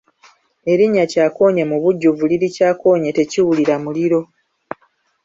Erinnya Kyakoonye mubujjuvu liri Kyakonye tekiwulira muliro.